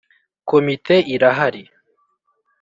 Komite irahari.